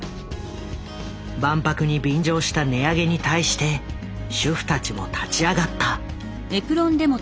万博に便乗した値上げに対して主婦たちも立ち上がった。